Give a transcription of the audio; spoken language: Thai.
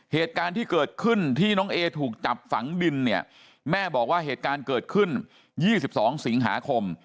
เหตุการณ์ที่เกิดขึ้นที่น้องเอถูกจับฝังดินเนี่ยแม่บอกว่าเหตุการณ์เกิดขึ้น๒๒สิงหาคม